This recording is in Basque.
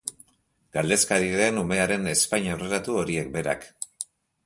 Galdezka ari den umearen ezpain aurreratu horiek berak.